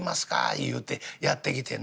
言うてやって来てな